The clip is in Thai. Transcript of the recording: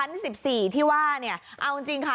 ขั้น๑๐ที่ว่าเอาจริงค่ะ